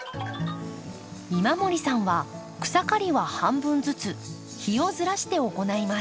今森さんは草刈りは半分ずつ日をずらして行います。